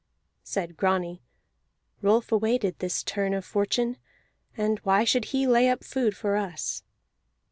Said Grani: "Rolf awaited this turn of fortune, and why should he lay up food for us?"